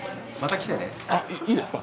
あっいいですか？